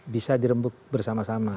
bisa dirembuk bersama sama